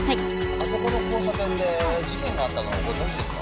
あそこの交差点で事件があったのはご存じですか？